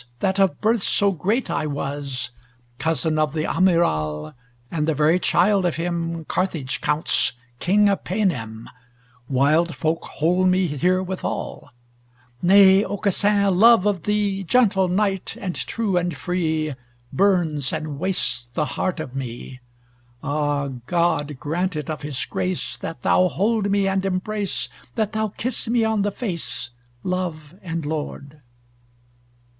That of birth so great I was, Cousin of the Amiral And the very child of him Carthage counts King of Paynim, Wild folk hold me here withal; Nay Aucassin, love of thee Gentle knight, and true, and free, Burns and wastes the heart of me. Ah God grant it of his grace, That thou hold me, and embrace, That thou kiss me on the face Love and lord!"